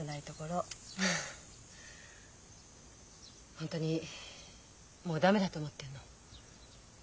本当にもう駄目だと思ってんの？